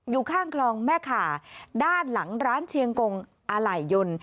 อยู่ข้างคลองแม่ขาด้านหลังร้านเชียงกงอะไหล่ยนต์